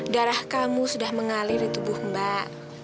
darah kamu sudah mengalir di tubuh mbak